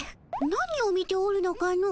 何を見ておるのかの。